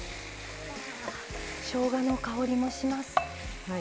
しょうがの香りもします。